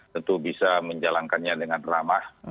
tentu bisa menjalankannya dengan ramah